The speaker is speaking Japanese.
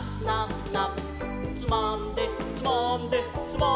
「つまんでつまんでつまんでエイッ」